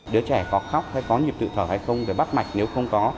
đứa trẻ có khóc hay có nhịp tự thở hay không về bắt mạch nếu không có